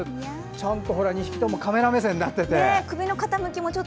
ちゃんと２匹ともカメラ目線になってて。